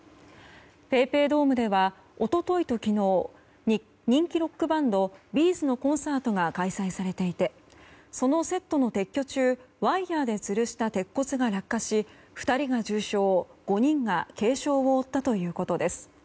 ＰａｙＰａｙドームでは一昨日と昨日人気ロックバンドＢ’ｚのコンサートが開催されていてそのセットの撤去中ワイヤでつるした鉄骨が落下し２人が重傷、５人が軽傷を負ったということです。